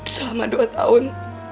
selama dua tahun